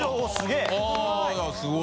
すごい。